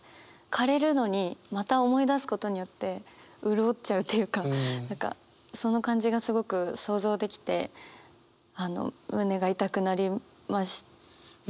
かれるのにまた思い出すことによって潤っちゃうというか何かその感じがすごく想像できて胸が痛くなりました。